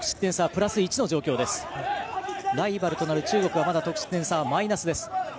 ライバルとなる中国はまだ得失点差はマイナスです。